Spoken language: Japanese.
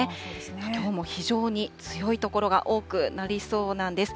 きょうも非常に強い所が多くなりそうなんです。